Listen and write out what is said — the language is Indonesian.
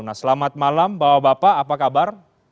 nah selamat malam bapak bapak apa kabar